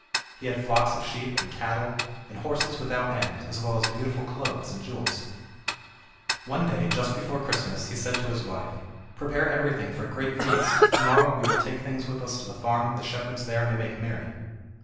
He had flocks of sheep, and cattle, and horses without end, as well as beautiful clothes and jewels. One day, just before Christmas, he said to his wife: "Prepare everything for a great feast, to morrow we will take things with us to the farm that the shepherds there may make merry."